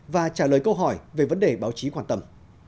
và trả lời câu hỏi về vấn đề báo chí quan tâm